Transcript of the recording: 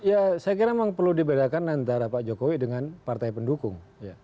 ya saya kira memang perlu dibedakan antara pak jokowi dengan partai pendukung